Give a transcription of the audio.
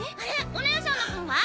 おねえさんの分は？